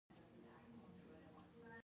علاج ئې څۀ دے